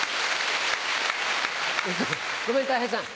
ごめんたい平さん